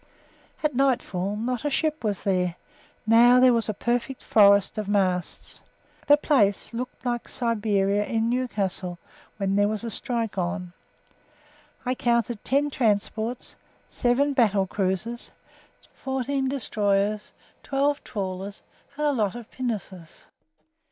At nightfall not a ship was there; now there was a perfect forest of masts. The place looked like Siberia in Newcastle when there was a strike on. I counted ten transports, seven battle cruisers, fourteen destroyers, twelve trawlers and a lot of pinnaces.